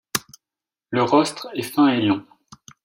Le rostre est fin et long.